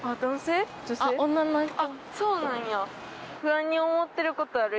あっそうなんや。